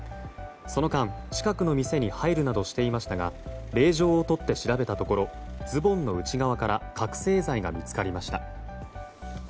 その間、近くの店に入るなどしていましたが令状を取って調べたところズボンの内側から覚醒剤が見つかりました。